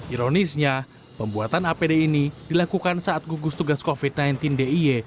ironisnya pembuatan apd ini dilakukan saat gugus tugas covid sembilan belas d i e